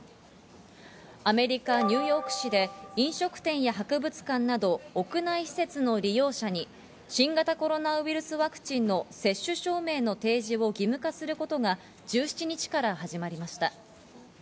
アメリカ・ニューヨーク市で飲食店や博物館など屋内施設の利用者に新型コロナウイルスワクチンの接種証明の提示を義務化することが１７日から始まりました。